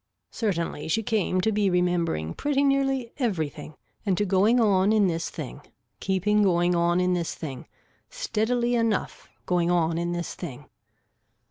Certainly she came to be remembering pretty nearly everything and to going on in this thing, keeping going on in this thing, steadily enough going on in this thing.